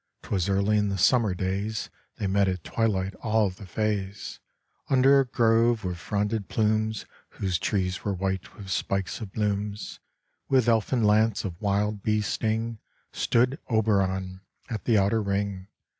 'Twas in the early summer days They met at twilight all the fays, Under a grove with fronded plumes, Whose trees were white with spikes of blooms. With elfin lance of wild bee sting Stood Oberon, at the outer ring.